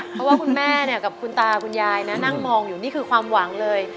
เพราะว่าคุณแม่เนี่ยกับคุณตาคุณยายนะนั่งมองอยู่นี่คือความหวังเลย